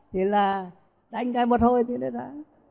thì là đánh cái một hồi thì đấy đó